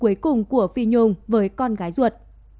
cuối cùng của phi nhung với con gái ruột